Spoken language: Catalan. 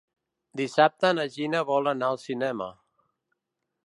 Dissabte na Gina vol anar al cinema.